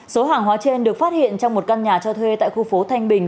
số hàng hóa trên được phát hiện trong một căn nhà cho thuê tại khu phố thanh bình